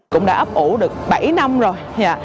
cũng đã ấp ủ được bảy năm rồi